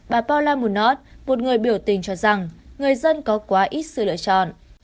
bà paula munoz một người biểu tình cho rằng người dân có quá ít sự lựa chọn